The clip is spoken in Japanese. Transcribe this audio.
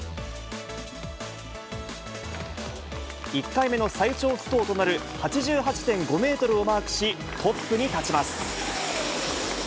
１回目の最長不倒となる８８．５メートルをマークし、トップに立ちます。